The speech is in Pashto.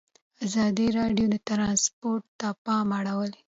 ازادي راډیو د ترانسپورټ ته پام اړولی.